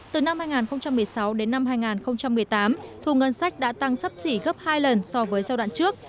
từ năm hai nghìn một mươi sáu đến năm hai nghìn một mươi tám thu ngân sách đã tăng sấp xỉ gấp hai lần so với giai đoạn trước